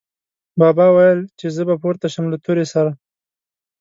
بابا ویل، چې زه به پورته شم له تورې سره